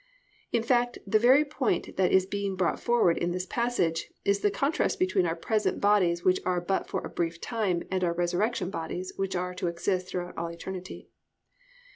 In fact the very point that is being brought forward in this passage is the contrast between our present bodies which are but for a brief time and our resurrection bodies which are to exist throughout all eternity.